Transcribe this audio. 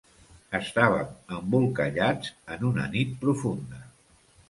Estàvem embolcallats en una nit profunda.